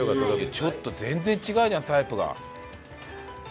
ちょっと全然違うじゃんタイプが。